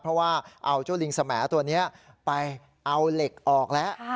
เพราะว่าเอาเจ้าลิงสมตัวนี้ไปเอาเหล็กออกแล้ว